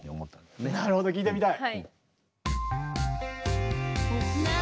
なるほど聴いてみたい！